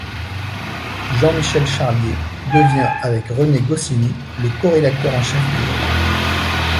Jean-Michel Charlier devient avec René Goscinny le corédacteur en chef du journal.